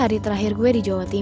ayo sekarang ke bandara ya